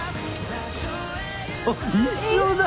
あっ一緒だ！